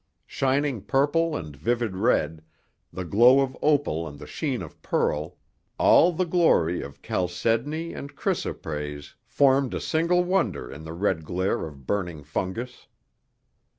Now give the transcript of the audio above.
Shining purple and vivid red, the glow of opal and the sheen of pearl, all the glory of chalcedony and chrysoprase formed a single wonder in the red glare of burning fungus.